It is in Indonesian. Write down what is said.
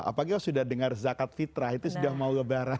apalagi sudah dengar zakat fitrah itu sudah mau lebaran